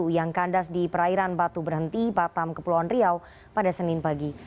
yang kandas di perairan batu berhenti batam kepulauan riau pada senin pagi